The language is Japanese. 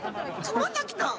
また来たん？